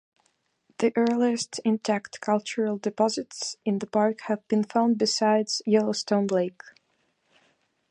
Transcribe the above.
The earliest intact cultural deposits in the park have been found beside Yellowstone Lake.